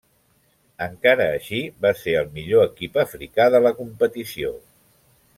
Encara així, va ser el millor equip africà de la competició.